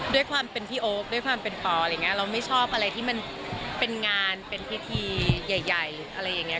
ด้วยความเป็นพี่โอ๊คด้วยความเป็นปออะไรอย่างนี้เราไม่ชอบอะไรที่มันเป็นงานเป็นพิธีใหญ่อะไรอย่างนี้